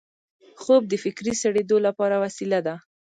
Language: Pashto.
خوب د فکري سړېدو لپاره وسیله ده